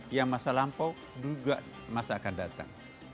yang masa lampau juga masa akan datang